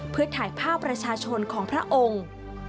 เพื่อถ่ายภาพประชาชนของพระองค์